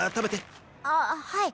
ああはい。